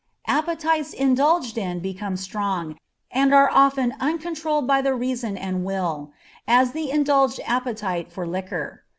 Appetites indulged in become strong, and are often uncontrolled by the reason and will; as the indulged appetite for liquor.